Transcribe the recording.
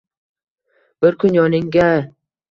Bir kun yoningga